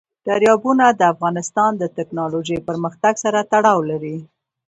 دریابونه د افغانستان د تکنالوژۍ پرمختګ سره تړاو لري.